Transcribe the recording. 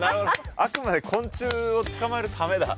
あくまで昆虫を捕まえるためだ。